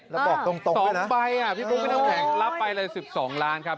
แล้วบอกตรงไปนะสองใบพี่ปุ๊กไม่ต้องแข็งรับไปเลย๑๒ล้านครับ